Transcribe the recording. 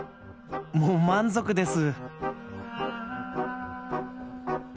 もう満足です。